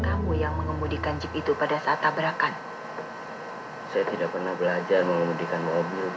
kamu yang mengembudikan jep itu pada saat tabrakan saya tidak pernah belajar mengembudikan mobil